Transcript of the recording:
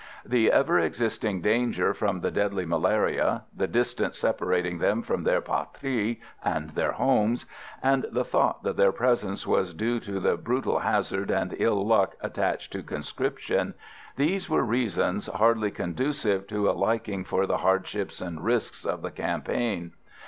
The ever existing danger from the deadly malaria, the distance separating them from their patrie and their homes, and the thought that their presence was due to the brutal hazard and ill luck attached to conscription: these were reasons hardly conducive to a liking for the hardships and risks of the campaign.